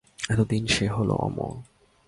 এতদিনে সে হল অমর।